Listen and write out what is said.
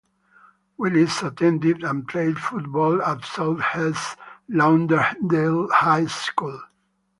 Willis attended and played football at Southeast Lauderdale High School.